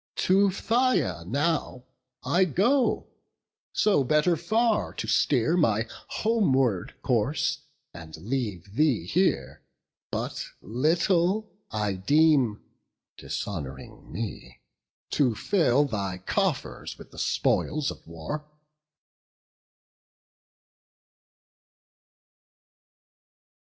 To Phthia now I go; so better far, To steer my homeward course, and leave thee here But little like, I deem, dishonouring me, To fill thy coffers with the spoils of war."